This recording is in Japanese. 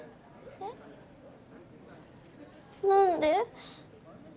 えっ？何で？